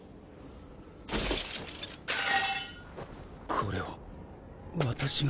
これは私が？